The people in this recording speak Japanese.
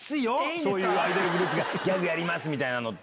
そういうアイドルグループがギャグやりますみたいなのって。